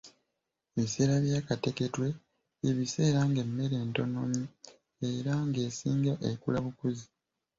Ebiseera bya Kateketwe by’ebiseera nga emmere ntono era nga esinga ekula bukuzi.